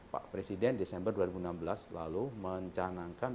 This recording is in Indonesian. pak presiden desember dua ribu enam belas lalu mencanangkan